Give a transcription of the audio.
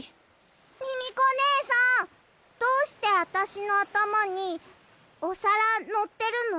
ミミコねえさんどうしてあたしのあたまにおさらのってるの？